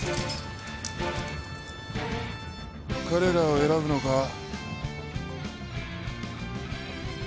彼らを選ぶのか？